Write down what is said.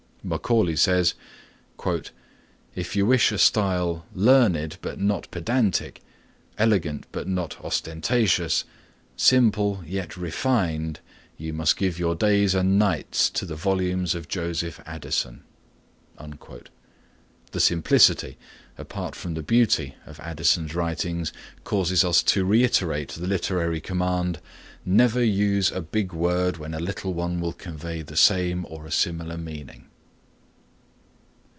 Macaulay says: "If you wish a style learned, but not pedantic, elegant but not ostentatious, simple yet refined, you must give your days and nights to the volumes of Joseph Addison." The simplicity, apart from the beauty of Addison's writings causes us to reiterate the literary command "Never use a big word when a little one will convey the same or a similar meaning."